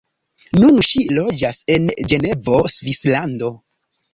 Nun ŝi loĝas en Ĝenevo, Svislando.